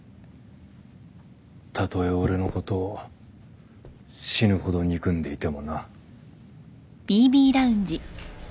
たとえ俺のことを死ぬほど憎んでいてもな。